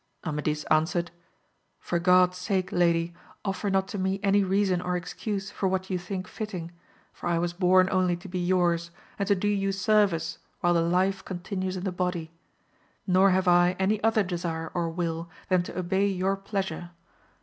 Amadis answered, For God's sake lady offer not to me any reason or excuse for what you think fitting, for I was bom only to be yours and to do you service while the life continues in the body ; nor have I any other desire or will than to obey your pleasure.